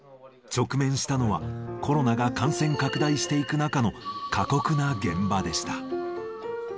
直面したのは、コロナが感染拡大していく中の過酷な現場でした。